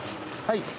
はい。